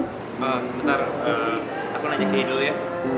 ah sebentar aku nanya kay dulu ya